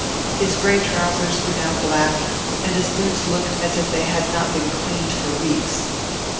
His grey trousers were now black, and his boots looked as if they had not been cleaned for weeks.